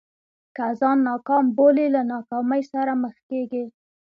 که ځان ناکام بولې له ناکامۍ سره مخ کېږې.